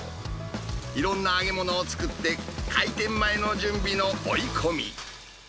いろんな揚げ物を作って、開店前の準備の追い込み。